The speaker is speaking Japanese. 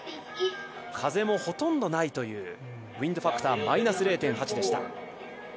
風もほとんどないという、ウィンドファクターマイナス０．８でした。